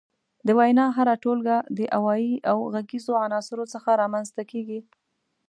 د وينا هره ټولګه د اوايي او غږيزو عناصرو څخه رامنځ ته کيږي.